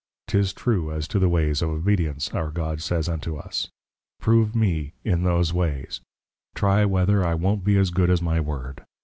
'Tis true as to the ways of Obedience, our God says unto us, _Prove me, in those ways; Try, whether I won't be as good as my Word.